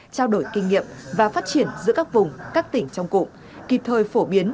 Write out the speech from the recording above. trao đổi kinh nghiệm và phát triển giữa các vùng các tỉnh trong cụm kịp thời phổ biến